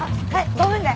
５分で。